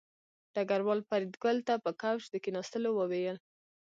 ډګروال فریدګل ته په کوچ د کېناستلو وویل